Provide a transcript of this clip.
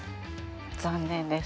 残念です。